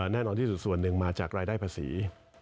แน่นอนที่สุดส่วนหนึ่งมาจากรายได้ภาษี